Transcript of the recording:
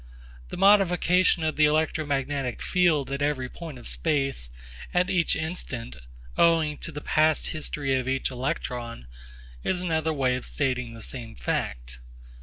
The modification of the electromagnetic field at every point of space at each instant owing to the past history of each electron is another way of stating the same fact.